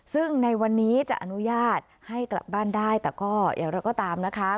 ซึ่งในวันนี้จะอนุญาตให้กลับบ้านได้แต่ก็อย่างเราก็ตามนะคะ